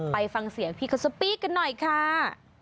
ไปฟังเสียงพี่เค้าข่าวฟิล์ดกันหน่อยค่ะ